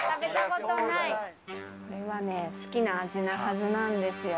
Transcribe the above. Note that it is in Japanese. これは好きな味なはずなんですよ。